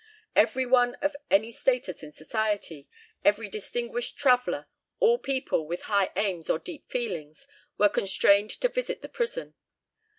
Every one of any status in society, every distinguished traveller, all people with high aims or deep feelings, were constrained to visit the prison.